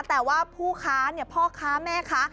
แต่ว่าผู้ค้าเนี่ยพ่อค้าแม่ค้า